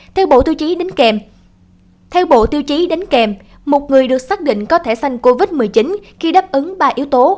theo bộ tiêu chí đánh kèm một người được xác định có thẻ xanh covid một mươi chín khi đáp ứng ba yếu tố